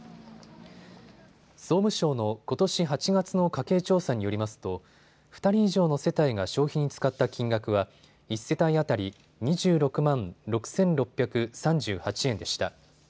総務省のことし８月の家計調査によりますと２人以上の世帯が消費に使った金額は１世帯当たり２６万６６３８円でした。